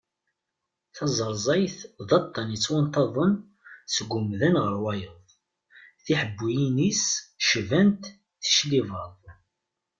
Tazarzayt d aṭan yettwanṭaḍen seg umdan ɣer wayeḍ, tiḥebuyin-is cbant ticlibaḍ.